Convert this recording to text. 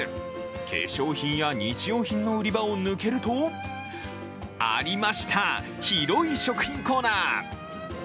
化粧品や日用品の売り場を抜けると、ありました、広い食品コーナー。